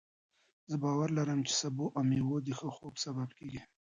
زه باور لرم چې سبو او مېوې د ښه خوب سبب کېږي.